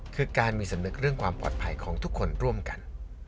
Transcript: คือการมีสำนึกเรื่องความปลอดภัยของทุกคนร่วมกัน